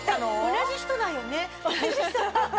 同じ人だよね？